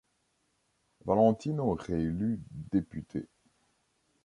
Valentino est réélu député.